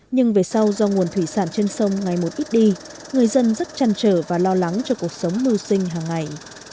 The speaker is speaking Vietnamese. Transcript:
nhưng về sau do nguồn thủy sản trên sông ngày một ít đi người dân rất chăn trở và lo lắng cho cuộc sống mưu sinh hàng ngày